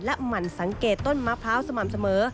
หมั่นสังเกตต้นมะพร้าวสม่ำเสมอ